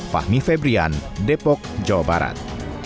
fahmi febrian depok jawa barat